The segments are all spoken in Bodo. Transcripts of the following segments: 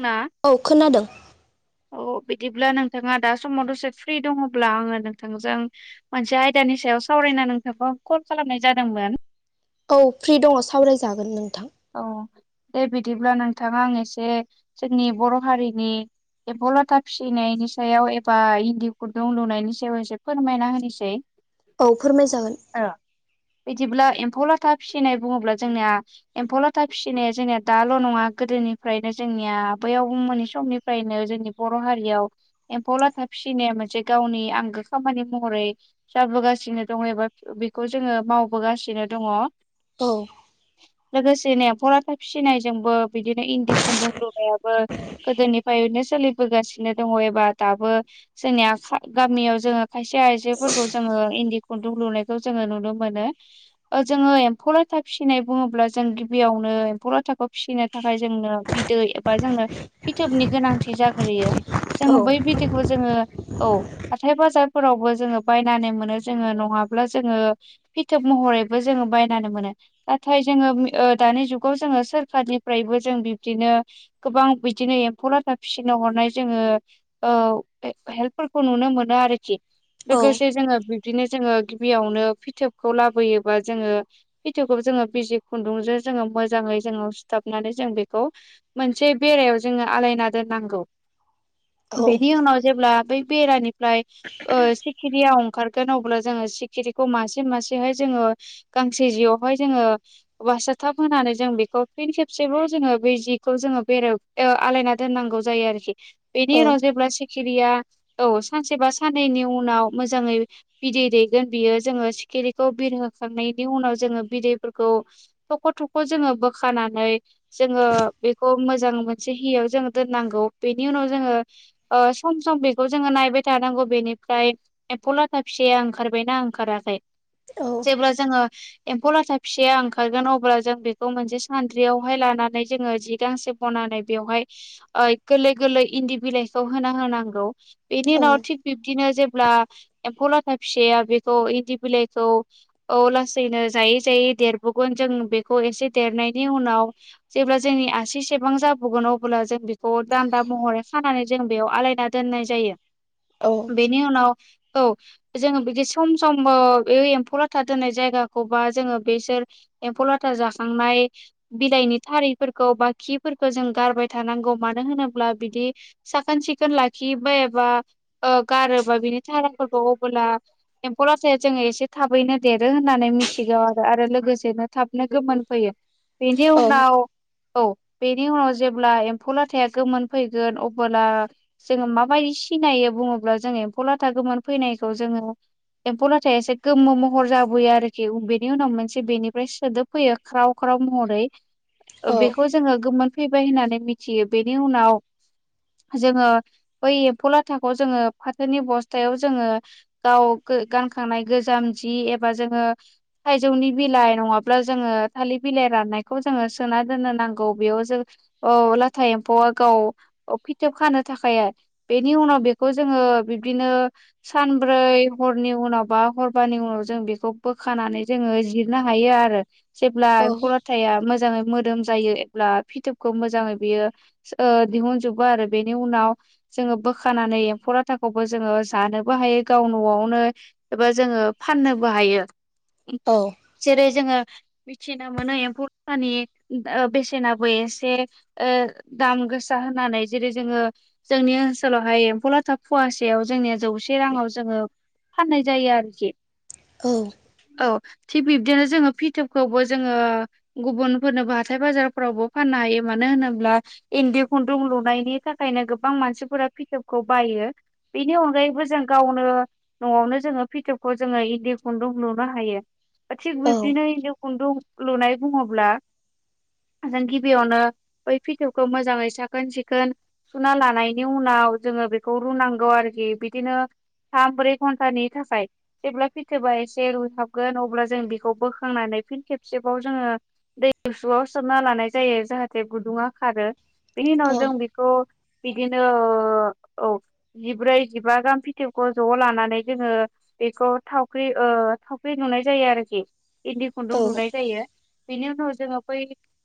ना औ खोनादों अ बिदिब्ला नोंथाङा दा समाव दसे फ्रि दङब्ला आङो नोंथांजों मोनसे आयदानि सायाव सावरायनो नोंथांखौ कल खालामनाय जादोंमोन औ फ्रि दङ सावरायनाय जागोन नोंथां औ दे बिदिब्ला नोंथाङा आंनो एसे जोंनि बर' हारिनि एम्फौ लाथा फिसिनायनि सायाव एबा इन्दि खुन्दुं लुनायनि सायाव एसे फोरमायना होनिसै औ फोरमाय जागोन ओ बिदिब्ला एम्फौ लाथा फिसिनाय बुङोब्ला जोंनिया एम्फौ लाथा फिसिनाया जोंनिया दाल' नङा गोदोनिफ्रायनो जोंनिया आबै आबो मोननै समनि फ्रायनो जोंनि बर' हारियाव एम्फौ लाथा फिसिनाया मोनसे गावनि आंगो खामानि महरै जाबोगासिनो दङ एबा बेखौ जोङो मावबोगासिनो दङ औ लोगोसेनो एम्फौ लाथा फिसिनायजोंबो बिदिनो इन्दि खुन्दुं लुनायाबो गोदोनिफ्रायनो सोलिबोगासिनो दङ एबा दाबो जोंनिया फाय गामियाव जोङो खायसे आइजोफोरखौ जोङो इन्दि खुन्दुं लुनायखौ जोङो नुनो मोनो ओ जोङो एम्फौ लाथा फिसिनाय बुङोब्ला जो जों गिबियावनो एम्फौ लाथाखौ फिसिनो थाखाय जोंनो बिदै एबा जोंनो फिथोबनि गोनांथि जाग्रोयो औ जोङो बै बिदैखौ जोङो औ हाथाय बाजारफोरावबो जोङो बायनानै मोनो जोङो नङाब्ला जोङो फिथोब महरैबो जोङो बायनानै मोनो नाथाय जोङो ओ दानि जुगाव जोङो सोरखारनिफ्रायबो जों बिबदिनो गोबां बिदिनो एम्फौ लाथा फिसिनो हरनाय जोङो औ हे-हेल्पफोरखौ नुनो मोनो आरोखि औ लोगोसे जोङो बि बदिनो जोङो गिबियावनो फिथोबखौ लाबोयोबा जोङो फिथोबखौबो जोङो बिजि खुन्दुंजों जोङो मोजाङै जोङो सुथाबनानै जों बेखौ मोनसे बेरायाव जोङो आलायना दोननांगौ औ बेनि उनाव जेब्ला बै बेरानिफ्राय ओ सिखिरिया अंखार गोन अब्ला जोङो सिखिरिखौ मासे मासेहाय जोङो गांसे जियावहाय जोङो बासाथाब होनानै जों बेखौ फिन खेबसेबाव जोङो बेै जिखौ जोङो बेरायाव ओ आलायना दोननांगौ जायो आरोखि बेनि औ उनाव जेब्ला सि सिखिरिया औ सानसे बा साननैनि उनाव मोजाङै बिदै दैगोन बियो जोङो सिखिरि खौ बिरहोखांनायनि उनाव जोङो बिदैफोरखौ थख' थख' जोङो बोखानानै जोङो बेखौ मोजां मोनसे हियाव जोङो दोननांगौ बेनि उनाव जोङो ओ सम सम बेखौ जोङो नायबाय थानांगौ बेनिफ्राय एम्फौ लाथा फिसाया ओंखारबायना ओंखाराखै। औ। जेब्ला जोङो एम्फौ लाथा फिसियो ओंख ओंखारगोन अब्ला जों बेखौ मोनसे सान्द्रियावहाय लानानै जोङो जि गांसे बनानै बेवहाय ओइ गोरलै गोरलै इन्दि बिलाइखौ होना होनांगौ बेनि औ उनाव थिग बिब्दिनो जेब्ला एम्फौ लाथा फिसाया बेखौ इन्दि बिलाइखौ औ लासैनो जायै जायै देरबोगोन जों बेखौ एसे देरनायनि उनाव जेब्ला जोंनि आसिसेबां जाबुगोन अब्ला जों बेखौ दान्दा महरै खानानै जों बेयाव आलायना दोननाय जायो। औ। बेनि उनाव औ। जोङो बिदि सम सम ओ बे एम्फौ लाथा दोननाय जायगाखौ बा जोङो बे सेर एम्फौ लाथा जाखांनाय। बिलाइनि थारिफोरखौ बा खिफोरखौ जों गारबाय थानांगौ मानो होनोब्ला बिदि साखोन सिखोन लाखियोबा एबा ओ गारोबा बिनि थारायफोरखौ अबोला एम्फौ लाथाया जोङो एसे थाबैनो देरो होननानै मिथिगौ आरो आरो लोगोस सेबा थाबनो गोमोन फैयो बेनि औ उनाव औ बेनि उनाव जेब्ला एम्फौ लाथाया गोमोन फैगोन अबोला जोङो माबायदि सिनायो बुङोब्ला जों एम्फौ लाथा गोमोन फैनायखौ जोङो एम्फौ लाथाया एसे गोमो महर जाबोयो आरोखि बेनि उनाव मोनसे बेनि ओमफ्राय सोदोब फैयो ख्राव ख्राव महरै ओ बेखौ जोङो गोमोन फैबाय होननानै मिथियो बेनि उनाव जोङो बै एम्फौ लाथाखौ जोङो फाथोनि बस्थायाव जोङो गाव गो-गानखांनाय गोजाम जि एबा जोङो थाइजौनि बिलाइ नङाब्ला जोङो थालिर बिलाइ राननायखौ जोङो सोना दोननो नांगौ बेयाव जों औ लाथा एम्फौआ गाव फिथोब खानो थाखाय आर बेनि उनाव बेखौ जोङो बिब्दिनो सानब्रै हरनि उनाव बा हरबानि उनाव जों बेखौ बोखानानै जोङो जिरनो हा हायो आरो जेब्ला एम्फौ ला थाया मोजाङै मोदोम जायो एब्ला फिथोबखौ मोजाङै बियो। ओ दिहुनजोबो आरो बेनि उनाव। जोङो बोखानानै एम्फौ लाथाखौबो जोङो जानोबो हायो गाव न'आवनो एबा जोङो फाननोबो हायो। औ। जेरै जोङो मिथिनो मोनो एम्फौ लाथानि बेसेनाबो एसे ओ दाम गोसा होननानै जेरै जोङो जोंनि ओनसोलावहाय एम्फौ लाथा फवासेयाव जोंनिया जौसे राङाव जोङो फाननाय जायो आरोखि। औ। औ थिग बिब्दिनो जोङो फिथोबखौबो जोङो गुबुनफोरनोबो हाथाय बाजारफोरावबो फाननो हायो मानो होनोब्ला इन्दि खुन्दुं लुनायनि थाखायनो गोबां मानसिफोरा फिथोबखौ बायो। बेनि अनगायैबो जों गावनो न'आवनो जोङो फिथोबखौ जोङो इन्दि खुन्दुं लुनो हायो। थिग बिब्दिनो इन्दि खुन्दुं लुनाय बुङोब्ला जों गिबियावनो बै फिथौखौ मोजांङै साखोन सिखोन सुना लानायनि उनाव जोंङो बेखौ रुनांगौ आरोखि बिदिनो थाम ब्रै घन्टानि थाखाय जेब्ला फिथोबा एसे रुइथाबगोन अब्ला जों बेखौ बोखांनानै फिन खेबसेबाव जोंङो दै गुसुआव सोमना लानाय जायो जाहाथे गुदुंङा खारो बिनि उनाव जों बे खौ बिदिनो ओ औव जिब्रै जिबा गाहाम फिथोबखौ ज' लानानै जोंङो बेखौ थावख्रि ओ थावख्रि लुनाय जायो आरोखि इन्दि खुन्दुं लुनाय जायो। बिनि उनाव जोंङो बैय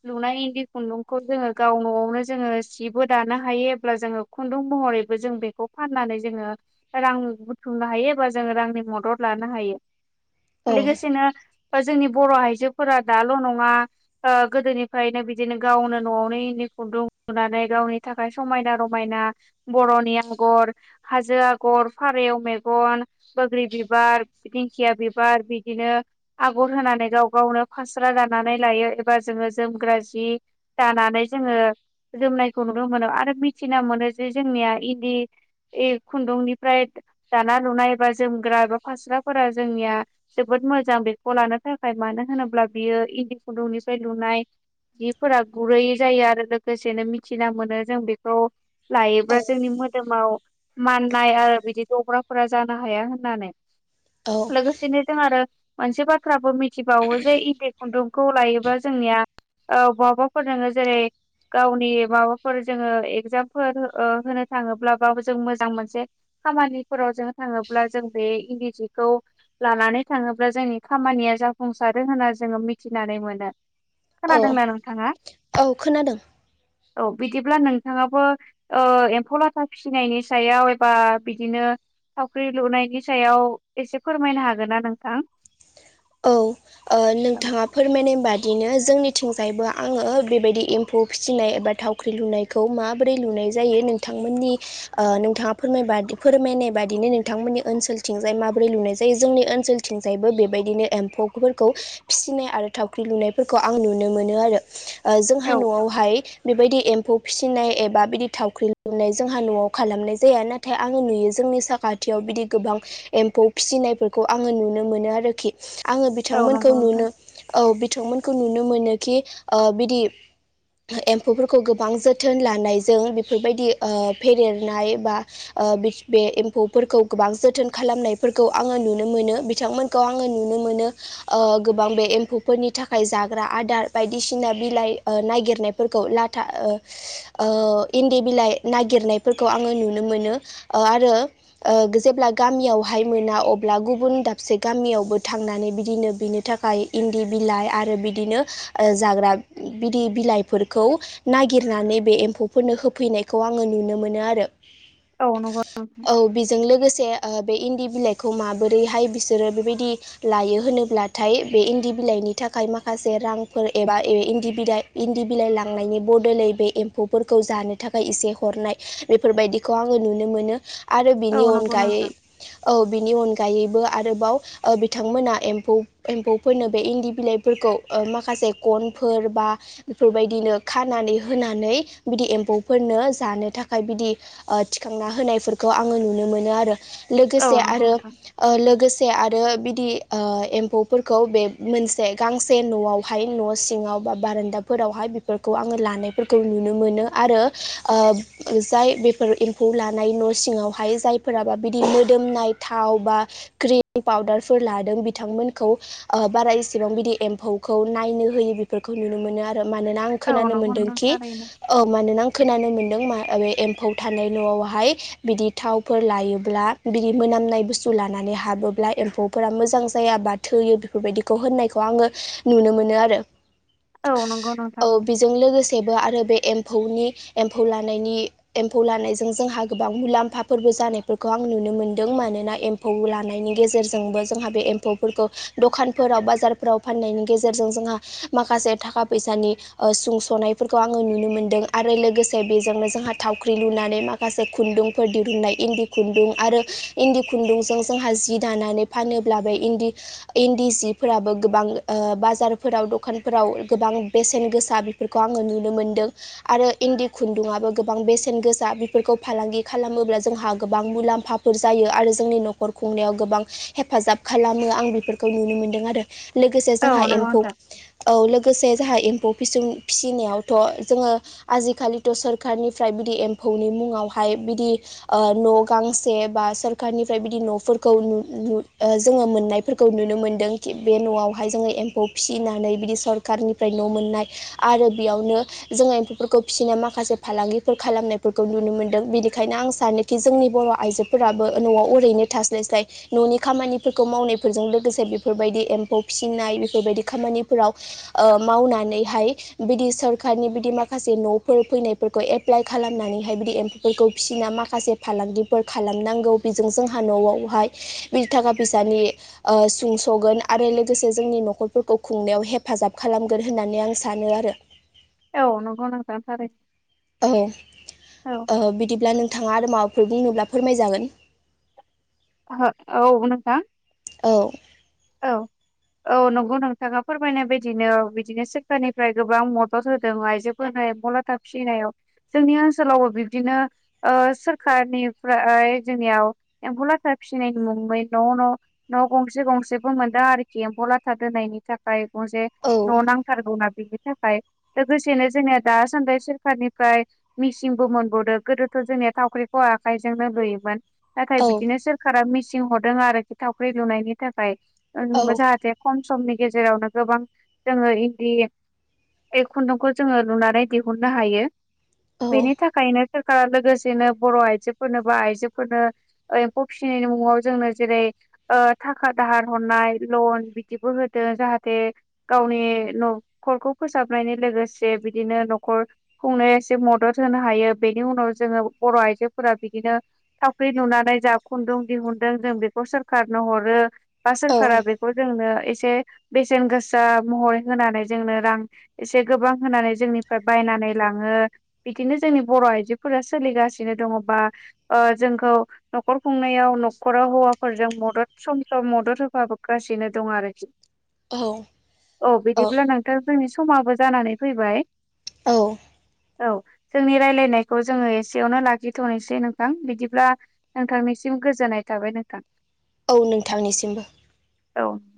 लुनाय इन्दि खुन्दुंखौ जोंङो गाव न'आवनो जोंङो सिबो दानो हायो अब्ला जोंङो खुन्दुं महरैबो जों बेखौ फाननानै जोंङो रां बुथुमनो हायो एबा जोंङो रांनि मदद लानो लोगोसेनो जोंनि बर' आइजोफोरा दाल' नंङा ओ गोदोनिफ्रायनो बिदिनो गावनो न'आवनो इनि खुन्दुं लुनानै गावनि थाखाय समायना रमायना बर'नि आगर हाजो आगर फारेव मेगन बोग्रि बिबार दिंखिया बिबार बिदिनो आगर होनानै गाव गावनो फास्रा राननानै लायो एबा जोंङो जोमग्रा जि जानानै जोंङो जोमनायखौ नुनो मोनो। आरो मिथिना मोनो जि जोंनिया इन्दि इ खुन्दुंनिफ्राय दाना लुनाय एबा जोमग्रा एबा फास्राफोरा जोंनिया जोबोद मोजां बे खौ लानो थाखाय मानो होनोब्ला बियो इन्दि खुन्दुंनिफ्राय लुनाय जिफोरा गुरै जायो आरो लोगोसेनो मिथिना मोनो जों बेखौ लायोब्ला औ जोंनि मोदोमाव माननाय आरो बिदि जग्राफोरा जानो हाया होननानै औव लोगोसेनो जों आरो मोनसे बाथ्राबो मिथिबावो जे इन्दि खुन्दुंखौ लायोबा जोंनिया औ बहाबाफोर नोङो जेरै गावनि माबाफोर जोंङो एगजामफोर ओ होनो थांङोब्ला बाबो जों मोजां मोनसे खामानिफोराव जों थांङोब्ला जों बे इन्दिजिखौ लानानै थांङोब्ला जोंनि खामानिया जाफुंसारो होनना जोंङो मिथिनानै मोनो। औ खोनादोंना नोंथांङा? औ खोनादों औ बिदिब्ला नोंथांङाबो ओ एम्फौ लाथा फिसिनायनि सायाव एबा बिदिनो थावख्रि लुनायनि सायाव एसे फोरमायनो हागोन ना नोंथां? औव ओ औ नोंथांङा फोरमायनाय बादिनो जोंनिथिंजायबो आंङो बेबायदि एम्फौ फिसिनाय एबा थाव ख्रि लुनायखौ माबोरै लुनाय जायो नोंथांमोननि ओ नोंथांङा फोरमायबादि फोरमायनाय बादिनो नोंथांमोननि ओनसोलथिंजाय माबोरै लुनाय जायो जोंनि ओनसोल आथिंजायबो बेबायदिनो एम्फौफोरखौ फिसिनाय आरो थावख्रि लुनायफोरखौ आं नुनो मोनो आरो। ओ जोंहा औ न'आवहाय बेबायदि एम्फौ फिसिनाय एबा बिदि थावख्रि लुनाय जोंहा न'आव खालामनाय जाया नाथाय नाथाय आंङो नुयो जोंनि साखाथियाव बिदि गोबां एम्फौ फिसिनायफोरखौ आंङो नुनो मोनो आरोखि। आंङो औ नंगौ बिथांमोनखौ नोंथां नुनो औ बिथांमोनखौ नुनो मोनोखि बिदि एम्फौफोरखौ गोबां जोथोन लानायजों बेफोरबायदि फेदेरनाय बा ओ बे एम्फौफोरखौ गोबां जोथोन खालामनायफोरखौ आंङो नुनो मोनो बिथांमोनखौ आं आङो नुनो मोनो ओ गोबां बे एम्फौफोरनि थाखाय जाग्रा आदार बायदिसिना बिलाइ ओ नायगिरनायखौ फोरखौ लाथा ओ ओ इन्दि बिलाइ नागिरनायफोरखौ आङो नुनो मोनो ओ आरो ओ जेब्ला गामियावहाय मोना अब्ला गुबुन दाबसे गामियाव बो थांनानै बिदिनो बिनि थाखाय इन्दि बिलाइ आरो बिदिनो ओ जाग्रा बिदि बिलाइफोरखौ नागिरनानै बे एम्फौफोरनो होफैनायखौ आङो नुनो मोनो आरो। औ नंगौ नोंथां औ बेजों लोगोसे ओ बे इन्दि बिलाइखौ माबोरैहाय बिसोरो बेबायदि लायो होनोब्लाथाय बे इन्दि बिलाइनि थाखाय माखासे रांफोर एबा ए इन्दि बिलाइ इन्दि बिलाइ लांनायनि बदलै बे एम्फौफोरखौ जानो थाखाय एसे हरनाय बेफोरबायदिखौ आङो नुनो मोनो। आरो औ बिनि नंगौ अनगायै नोंथां औ बिनि अनगायैबो आरोबाव ओ बिथांमोना एम्फौ एम्फौफोरनो बे इन्दि बिलाइफोरखौ ओ माखासे गनफोर बा बेफोरबायदिनो खानानै होनानै बिदि एम्फौफोरनो जानो थाखाय बिदि ओ थिखांना होनायफोरखौ आंङो नुनो मोनो आरो औ लोगोसे नंगौ आरो नोंथां ओ लोगोसे आरो आरो बिदि आ एम्फौफोरखौ बे मोनसे गांसे न'आवहाय न' सिङाव बा बारान्दा फोरावहाय बेफोरखौ आङो लानायफोरखौ नुनो मोनो आरो ओ जाय बेफोर लानाय न' सिङावहाय जायफोराबा बिदि मोदोमनाय थाव बा क्रि पाउदारफोर लादों बिथांमोनखौ ओ बारा इसेबां बिदि एम्फौखौ नायनो होयो बेफोरखौ नुनो मोनो आरो मानोना आं औ खोनानो नंगौ नोंथां मोन्दोंखि थारैनो औ मानोना खोनानो मोन्दों मा एम्फौ न'आवहाय बिदि थावफोर लायोब्ला बिदि मोनामनाय बुस्तु लानानै हाबो ब्ला एम्फौफोरा मोजां जाया बा थोयो बेफोरबायदिखौ होननायखौ आङो नुनो मोनो आरो। औ नंगौ नोंथां औ। बेजों लोगोसेबो आरो बे एम्फौनि एम्फौ लानायनि एम्फौ लानायजों जोंहा गोबां मुलाम्फाफोरबो जानायफोरखौ आं नुनो मोनदों मानोना एम्फौ लानायनि गेजेरजोंबो जोंहा बे एम्फौफोरखौ दखानफोरा बाजारफोराव फाननायनि गेजेरजों जोंहा माखासे थाखा फैसानि ओ सुंसनाइ नुनो मोनदों आरो लोगोसे बेजोंनो जोंहा थावख्रि लुनानै माखा से खुन्दुंफोर दिहुननाय इन्दि आरो इन्दि खुन्दुंजों जोंहा जि दानानै फानोब्लाबो इन्दि इन्दि सिफोराबो गोबां ओ बाजारफोराव दखानफोराव गोबां बेसेन गोसा फोरखौ आंङो नुनो मोनदों। आरो इन्दि खुन्दुङआबो गोबां बेसेन गोसा बेफोरखौ फालांगि खालामोब्ला जोंहा गोबां मुलाम्फा फोर जायो आरो जोंनि न'खर खुंनायाव गोबां हेफाजाब खालामो आं बेफोरखौ नुनो मोनदों आरो लोगोसे जोंहा औ नंगौ एम्फौ नोंथां औ लोगोसे जोंहा एम्फौ फिसि फिसिनायावथ' जोङो आजिखालिथ' सोरखारनिफ्राय बिदि एम्फौनि मुङावहाय बिदि ओ न' गांसे बा सोरखारनिफ्राय बिदि न' फोर खौ नु-नु ओ जोङो मोननायफोरखौ नुनो मोनदों बे न'आवहाय जोङो एम्फौ फिसिनानै बिदि सर कारनिफ्राय न' मोननाय आरो बेयावनो जोङो एम्फौफोरखौ फिसिनो माखासे फालांगिफोर खालामनायफोरखौ नुनो मोनदों बेनिखायनो आं सानो कि जोंनि बर' आइजोफोराबो न'आव ओरैनो थास्लाय। फ्राय न'नि खामानिफोरखौ मावनायफोरजों लोगोसे बेफोरबायदि एम्फौ फिसिनाय बेफोरबायदि खामानिफोराव। ओ मावनानैहाय बिदि सोरखारनि बिदि माखासे न'फोर फैनायफोरखौ [unintelligible] एप्लाइ खालामनानैहाय बिदि एम्फौफोरखौ फिसिना माखासे फालांगिफोर खालामनांगौ बेजों जोंहा न'आवहाय बे थाखा फैसानि सुंस'गोन आरो लोगोसे जोंनि न'खरफोरखौ खुंनायाव हेफाजाब खालामगोन होननानै आं सानो आरो औ नोंगौ नोंथां थारैनो। औ ओ बिदिब्ला नोंथाङा आरो माबाफोर बुंनोब्ला फोरमायजागोन। [unintelligible] औ नोंथां। औ औ औ नंगौ नोंथाङा फोरमायनाय बायदिनो बिदिनो सोरखारनिफ्राय गोबां मदद होदों आइजोफोरनो [unintelligible] था फिनायाव जोंनि ओनसोलावबो बिब्दिनो। ओ सोरखारनिफ्राय जोंनियाव एम्फौ लाथा फिसिनायनि मुङै न' न' न गंसे गंसे मोनदों आरोखि एम्फौ लाथा दोननायनि थाखाय गंसे औ न' नांथारगौना बि थाखाय लोगोसेनो जोंनिया दासानदि सोरखारनिफ्राय मिसिंबो मोनबावदो गोदोथ' जोंनिया थावख्रिखौ आखायजोंनो लुयोमोन। नाथाय औ बिदिनो सोरखारा मिसिं हरदों आरोखि थावख्रि लुनायनि थाखाय औ [unintelligible] जाहाथे खम समनि गेजेरावनो गोबां जोङो इन्दि बे खुन्दुंखौ जोङो लुनानै दिहुननो हायो औ बेनि थाखायनो। लोगोसेनो बर' आइजोफोरनो बा आइजोफोरनो एम्फौ फिसिनायनि मुङाव जोंनो जेरै ओ थाखा दाहार हरनाय लन बिदिबो होदों जाहाथे गावनि न'खरखौ फोसाबनायनि लोगोसे बिदिनो न'खर खुंनो एसे मदद होनो हायो बेनि उनाव जोङो बर' आइजोफोरा बिदिनो। थावख्रि लुनानै जा खुन्दुं दिहुनदों जों बेखौ सोरखारनो हरो बा औ सोरखारा बेखौ खौ जोंनो एसे बेसेन गोसा महरै होनानै जोंनो रां एसे गोबां होनानै जोंनिफ्राय बायनानै लाङो। बिदिनो जोंनि बर' आइजोफोरा सोलिगासिनो दङ बा ओ जोंखौ न'खर खुंनायाव न'खराव हौवाफोरजों मदद सम सम मदद होफाबोगासिनो दं आरोखि औ औ बिदिब्ला नों दा जोंनि समाबो जानानै फैबाय। औ औ जोंनि रायलायनायखौ जोङो एसेयावनो लाखिथ'नोसै नोंथां बिदिब्ला नोंथांनिसिम गोजोननाय थाबाय नोंथां। औ नोंथांनिसिमबो। औ